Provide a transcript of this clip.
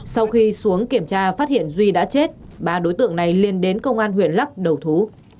sau khi xuống kiểm tra phát hiện duy đã chết ba đối tượng này liên đến công an huyện lắc đầu thú